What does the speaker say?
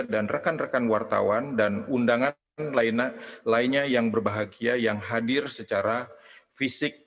dan rekan rekan wartawan dan undangan lainnya yang berbahagia yang hadir secara fisik